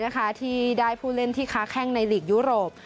ที่ได้ผู้เล่นที่ค้าแข้งในหลีกยุโรป